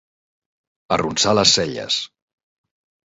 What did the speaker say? Arronsar les celles.